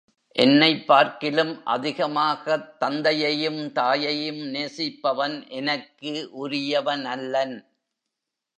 என்னைப் பார்க்கிலும் அதிகமாகத் தந்தையையும் தாயையும் நேசிப்பவன் எனக்கு உரியவனல்லன்.